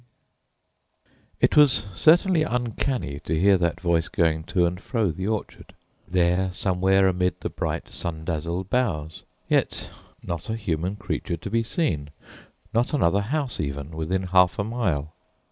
"_ It was certainly uncanny to hear that voice going to and fro the orchard, there somewhere amid the bright sun dazzled boughs yet not a human creature to be seen not another house even within half a mile.